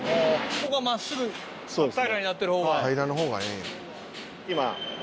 ここが真っすぐ真っ平らになってる方が。